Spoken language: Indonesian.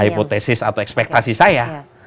hipotesis atau ekspektasi saya